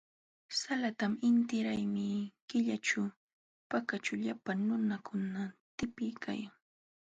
Salatam intiraymi killaćhu Pakaćhu llapa nunakuna tipiykalkan.